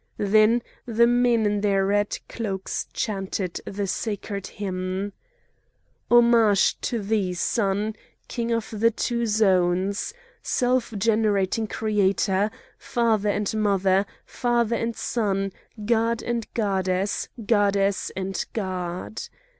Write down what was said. Then the men in the red cloaks chanted the sacred hymn: "Homage to thee, Sun! king of the two zones, self generating Creator, Father and Mother, Father and Son, God and Goddess, Goddess and God!"